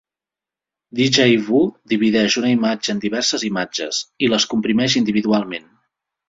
DjVu divideix una imatge en diverses imatges, i les comprimeix individualment.